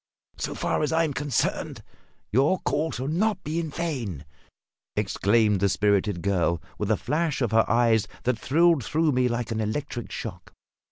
"So far as I am concerned, your call shall not be in vain!" exclaimed the spirited girl, with a flash of her eyes that thrilled through me like an electric shock.